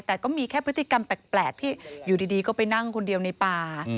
แต่ก็มีแค่พฤติกรรมแปลกที่อยู่ดีก็ไปนั่งคนเดียวในป่า